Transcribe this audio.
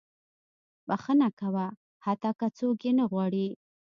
• بښنه کوه، حتی که څوک یې نه غواړي.